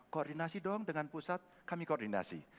koordinasi dong dengan pusat kami koordinasi